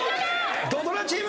土ドラチーム。